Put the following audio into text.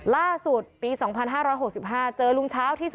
ล่าสุดปี๒๕๖๕เจอลุง